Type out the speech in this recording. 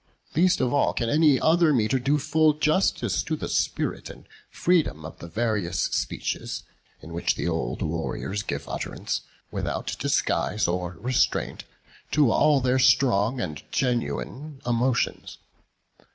Least of all can any other metre do full justice to the spirit and freedom of the various speeches, in which the old warriors give utterance, without disguise or restraint, to all their strong and genuine emotions.